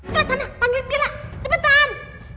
cepet sana panggil bella cepetan